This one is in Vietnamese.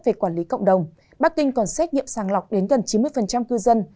về quản lý cộng đồng bắc kinh còn xét nghiệm sàng lọc đến gần chín mươi cư dân